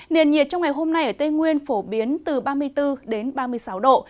nền nhiệt trong ngày hôm nay ở tây nguyên phổ biến từ ba mươi bốn đến ba mươi sáu độ